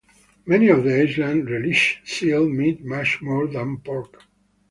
Many on the island relished seal meat much more than pork.